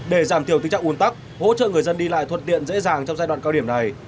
để giảm thiểu tình trạng uốn tắc hỗ trợ người dân đi lại thuận tiện dễ dàng trong giai đoạn cao điểm này